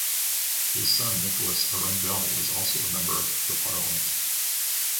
His son Nicholas Arundell was also a member of the Parliament.